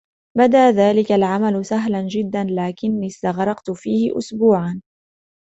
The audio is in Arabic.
بدى ذلك العمل سهلا جدا، لكني استغرقت فيه أسبوعا.